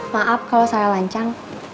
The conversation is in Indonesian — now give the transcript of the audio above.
maaf kalau saya lancang